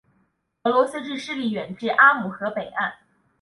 俄罗斯之势力远至阿姆河北岸。